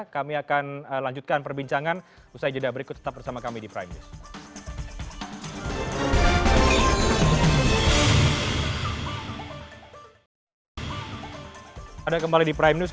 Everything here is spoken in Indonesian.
kami akan lanjutkan perbincangan usai jeda berikut tetap bersama kami di prime news